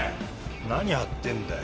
何やってんだよ。